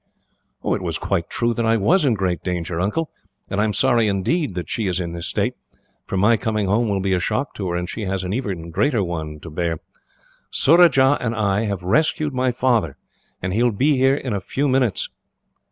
"It is quite true that I was in great danger, Uncle, and I am sorry indeed that she is in this state, for my coming home will be a shock to her; and she has an even greater one to bear. Surajah and I have rescued my father, and he will be here in a few minutes."